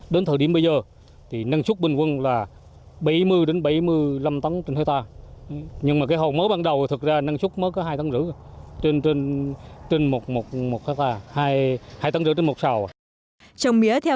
đến thời điểm bây giờ năng suất bình quân là bảy mươi bảy mươi năm tấn trên hecta nhưng mà cái hầu mới ban đầu thì thực ra năng suất mới có hai tấn rưỡi trên một hecta hai tấn rưỡi trên một sào